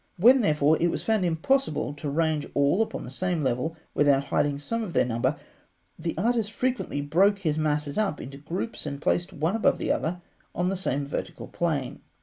When, therefore, it was found impossible to range all upon the same level without hiding some of their number, the artist frequently broke his masses up into groups, and placed one above the other on the same vertical plane.